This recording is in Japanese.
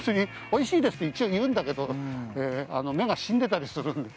おいしいですって一応言うんだけど目が死んでたりするんで。